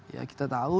ya kita tahu